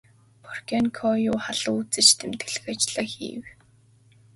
Боркенкою халуун үзэж тэмдэглэх ажлаа хийж байв.